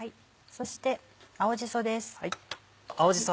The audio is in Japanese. そして青じそです。